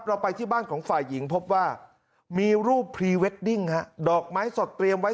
ไปที่บ้านของฝ่ายหญิงพบว่ามีรูปพรีเวดดิ้งฮะดอกไม้สดเตรียมไว้